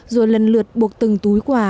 rồi lần lượt buộc từng túi quà